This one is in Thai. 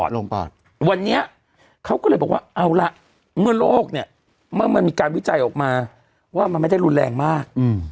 โลกเนี่ยมันไม่ได้รุนแรงเหมือนเดลต้าแรก